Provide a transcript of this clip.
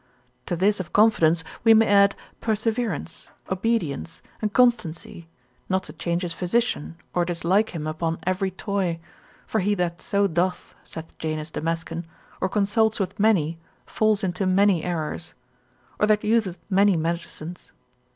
To this of confidence we may add perseverance, obedience, and constancy, not to change his physician, or dislike him upon every toy; for he that so doth (saith Janus Damascen) or consults with many, falls into many errors; or that useth many medicines.